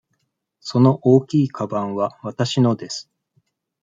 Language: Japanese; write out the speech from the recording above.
その大きいかばんはわたしのです。